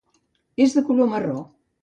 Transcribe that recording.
És de color marró.